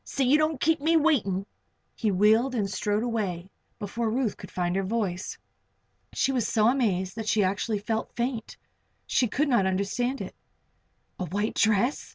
See you don't keep me waiting." He wheeled and strode away before Ruth could find her voice. She was so amazed that she actually felt faint She could not understand it. A white dress!